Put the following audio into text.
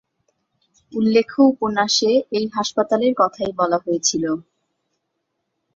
উল্লেখ্য উপন্যাসে এই হাসপাতালের কথাই বলা হয়েছিল।